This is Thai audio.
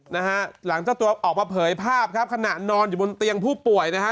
นะฮะหลังเจ้าตัวออกมาเผยภาพครับขณะนอนอยู่บนเตียงผู้ป่วยนะฮะ